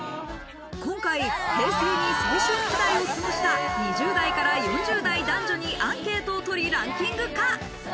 今回、平成に青春時代を過ごした２０代から４０代男女にアンケートをとりランキング化。